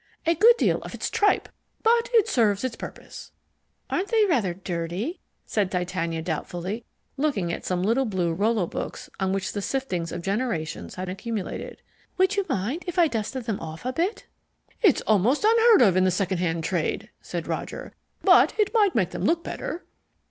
A good deal of it's tripe, but it serves its purpose." "Aren't they rather dirty?" said Titania doubtfully, looking at some little blue Rollo books, on which the siftings of generations had accumulated. "Would you mind if I dusted them off a bit?" "It's almost unheard of in the second hand trade," said Roger; "but it might make them look better."